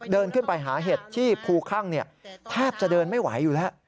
เดินขึ้นไปหาเห็ดที่ภูคั่งแทบจะเดินไม่ไหวอยู่แล้ว